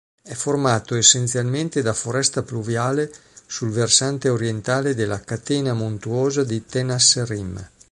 È formato essenzialmente da foresta pluviale sul versante orientale della catena montuosa di Tenasserim.